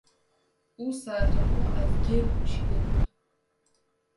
او سر تا پا از گل پوشیده بود.